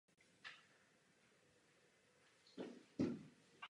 Nakonec se rozhodla vrátit ke své rodiny do Neapole.